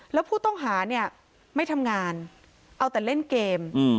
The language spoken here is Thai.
แล้วผู้ต้องหาเนี่ยไม่ทำงานเอาแต่เล่นเกม